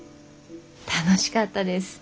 楽しかったです。